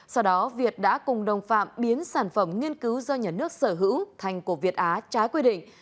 sau đó việt đã cùng đồng phạm biến sản phẩm nghiên cứu do nhà nước sở hữu thành của việt á trái quy định